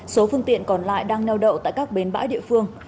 số phương tiện còn lại đang neo đậu tại các bến bãi địa phương